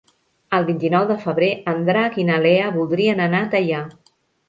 El vint-i-nou de febrer en Drac i na Lea voldrien anar a Teià.